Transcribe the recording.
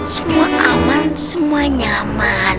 semua aman semua nyaman